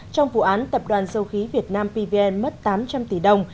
trong vụ án tập đoàn dầu khí việt nam pvn mất tám trăm linh tỷ đồng